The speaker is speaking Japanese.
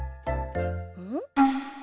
うん？